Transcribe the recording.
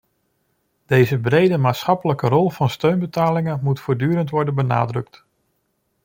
Deze brede maatschappelijke rol van steunbetalingen moet voortdurend worden benadrukt.